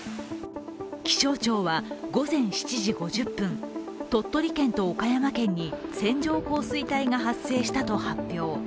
気象庁は午前７時５０分、鳥取県と岡山県に線状降水帯が発生したと発表。